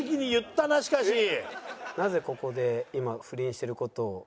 「なぜここで今不倫してる事を？」。